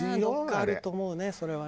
どこかあると思うねそれはね。